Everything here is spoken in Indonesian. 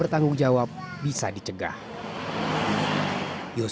sehingga penyalahgunaan ktp oleh pihak kpu dan bawaslu